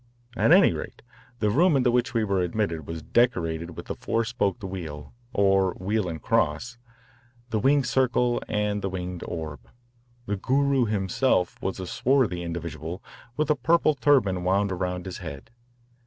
At any rate, the room into which we were admitted was decorated with the four spoked wheel, or wheel and cross, the winged circle, and the winged orb. The Guru himself was a swarthy individual with a purple turban wound around his head.